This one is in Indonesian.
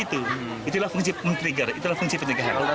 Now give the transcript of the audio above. itu itulah fungsi pencegahan